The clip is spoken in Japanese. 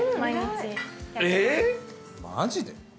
マジで？